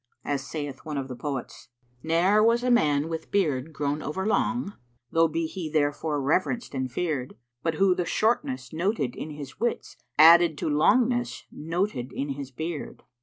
As saith one of the poets, 'Ne'er was a man with beard grown overlong, * Tho' be he therefor reverenced and fear'd, But who the shortness noted in his wits * Added to longness noted in his beard.'